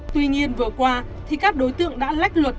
tuy nhiên vừa qua thì các đối tượng đã lách luật